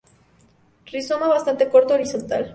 Rizoma bastante corto, horizontal.